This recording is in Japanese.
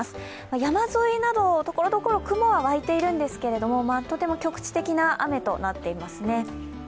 山沿いなど、ところどころ雲は湧いているんですが、とても局地的な雨となっていますね。